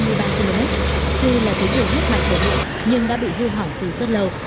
tuy là cái đường nhất mạnh của huyện nhưng đã bị vư hỏng từ rất lâu